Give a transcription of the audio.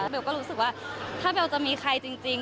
เบลก็รู้สึกว่าถ้าเบลจะมีใครจริง